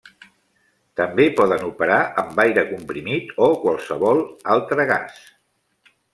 També poden operar amb aire comprimit o qualsevol altre gas.